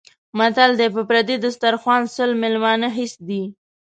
متل دی: په پردي دیسترخوا سل مېلمانه هېڅ دي.